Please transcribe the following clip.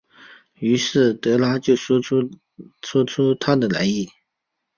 于是德拉就说出他的来历。